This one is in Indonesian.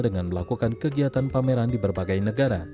dengan melakukan kegiatan pameran di berbagai negara